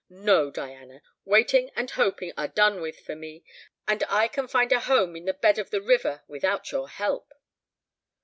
No, Diana, waiting and hoping are done with for me, and I can find a home in the bed of the river without your help."